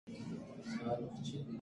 قانون سرغړونې محدودوي.